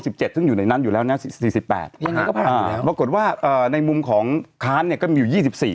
ซึ่งอยู่ในนั้นอยู่แล้ว๔๘งั้นเหมือนผลาก่อนว่าในมุมของค้านก็อยู่๒๔